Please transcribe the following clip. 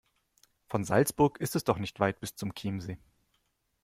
Von Salzburg ist es doch nicht weit bis zum Chiemsee.